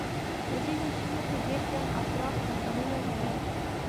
په ځینو سیمو کې ډېر ګڼ او پراخ څنګلونه لري.